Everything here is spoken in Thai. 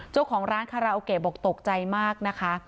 เจ้าของร้านคาราโอเกะบอกตกใจมากนะคะ